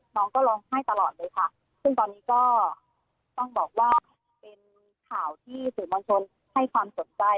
น้องก็ร้องไห้ตลอดเลยค่ะซึ่งตอนนี้ก็ต้องบอกว่าเป็นข่าวที่สื่อมวลชนให้ความสนใจ